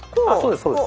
あそうです